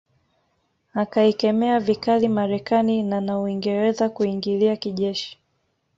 Akaikemea vikali Marekani na na Uingereza kuiingilia kijeshi